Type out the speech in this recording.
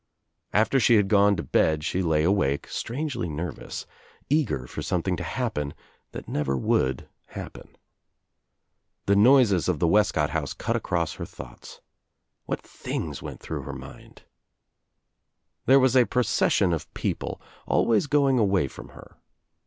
After she had gone to bed she lay awake, strangely nervous, eager for something to happen that never would happen. The noises of the Wescott house cut across her thoughts. What things went through her mindl There was a procession of people always going away from her.